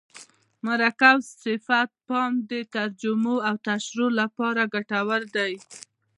مرکب صفت ته پام د ترجمو او تشریحو له پاره ګټور دئ.